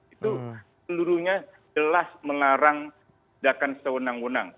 itu seluruhnya jelas mengarang dakan setewenang wenang